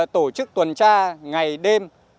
tổ chức tuần tra ngày đêm